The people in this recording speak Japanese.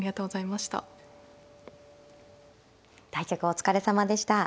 対局お疲れさまでした。